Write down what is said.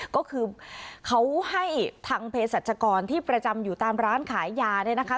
ก็คือเขาให้ทางเพศรัชกรที่ประจำอยู่ตามร้านขายยาเนี่ยนะคะ